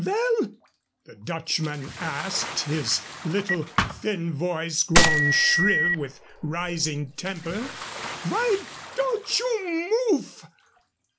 "Vell," the Dutchman asked, his little, thin voice grown shrill with rising temper, "vy don't you moofe?